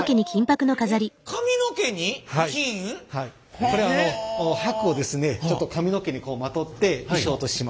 えっこれ箔をですねちょっと髪の毛にまとって衣装とします。